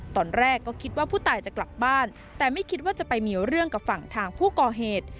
ตอนแรกก็คิดว่าผู้ตายจะกลับบ้านแต่ไม่คิดว่าจะไปมีเรื่องกับฝั่งทางผู้ก่อเหตุ